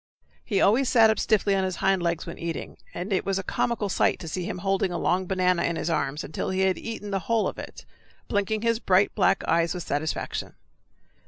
He always sat up stiffly on his hind legs when eating, and it was a comical sight to see him holding a long banana in his arms, until he had eaten the whole of it, blinking his bright black eyes with satisfaction.